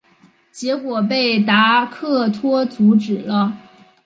结果被达克托阻止了。